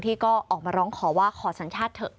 ที่ก็ออกมาร้องขอว่าขอสัญชาติเถอะ